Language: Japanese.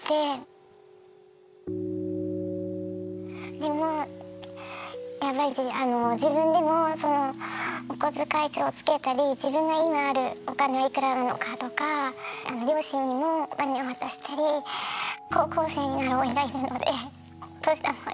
でもやっぱしあの自分でもそのお小遣い帳をつけたり自分が今あるお金はいくらあるのかとか両親にもお金を渡したり高校生になるおいがいるのでお年玉あげたりとか。